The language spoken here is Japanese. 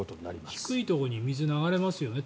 確かに低いところに水が流れますよね。